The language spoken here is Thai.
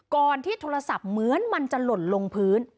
ก่อนที่โทรศัพท์เหมือนมันจะหล่นลงพื้น